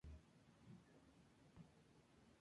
Durante la construcción, cinco obreros fallecieron.